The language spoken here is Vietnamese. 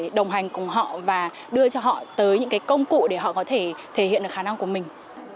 để có thể đồng hành cùng họ và đưa cho họ tới những cái công cụ để họ có thể thể hiện được khả năng của mình